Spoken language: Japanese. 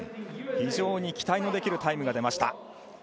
非常に期待のできるタイムが出ました。